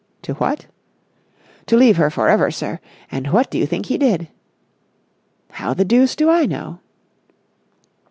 "To what?" "To leave her for ever, sir. And what do you think he did?" "How the deuce do I know?"